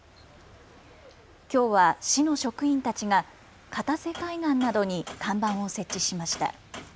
きょうは市の職員たちが片瀬海岸などに看板を設置しました。